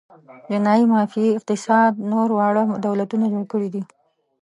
جنايي مافیايي اقتصاد نور واړه دولتونه جوړ کړي دي.